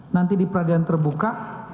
nanti di peradilan terbuka